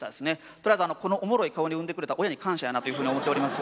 とりあえずこのおもろい顔に生んでくれた親に感謝やなというふうに思っております。